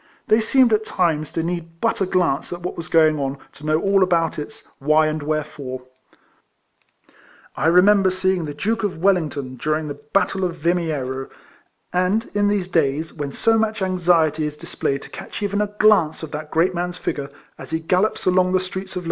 They seemed at times, to need but a glance at what was going on to know all about its " why and wherefore." I remember seeing the Duke of Wellington during the battle of Vimiero ; and in these days, when so much anxiety is displayed to catch even a glance of that great man's figure as he gallops along the streets of.